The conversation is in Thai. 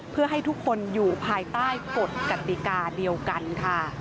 เพื่อให้ทุกคนอยู่ภายใต้กฎกติกาเดียวกันค่ะ